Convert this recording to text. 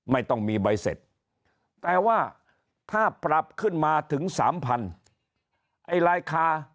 ไม่ต้องมีใบเสร็จแต่ว่าถ้าปรับขึ้นมาถึงสามพันไอ้ราคา